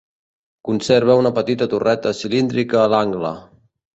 Conserva una petita torreta cilíndrica a l'angle.